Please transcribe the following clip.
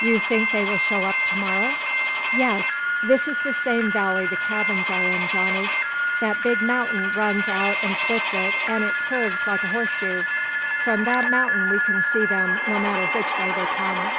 "You think they will show up to morrow?" "Yes. This is the same valley the cabins are in, Johnny. That big mountain runs out an' splits it, an' it curves like a horseshoe. From that mount'in we can see them, no matter which way they come.